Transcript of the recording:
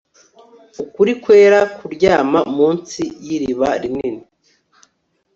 Ukuri kwera kuryama munsi y iriba rinini